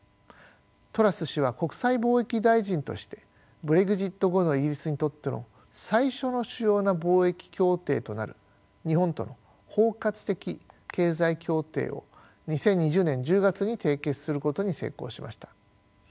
トラス氏は国際貿易大臣としてブレグジット後のイギリスにとっての最初の主要な貿易協定となる日本との包括的経済協定を２０２０年１０月に締結することに成功しました。